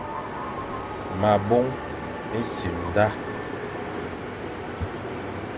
Ma bôn-e-simda,